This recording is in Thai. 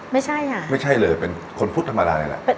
ไม่ใช่ค่ะไม่ใช่เลยเป็นคนพุทธธรรมดานี่แหละ